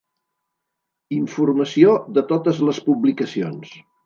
Informació de totes les publicacions.